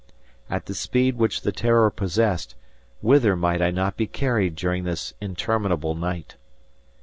At the speed which the "Terror" possessed, whither might I not be carried during this interminable night?